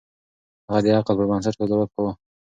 هغه د عقل پر بنسټ قضاوت کاوه.